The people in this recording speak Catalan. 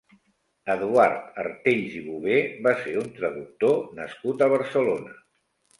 Eduard Artells i Bover va ser un traductor nascut a Barcelona.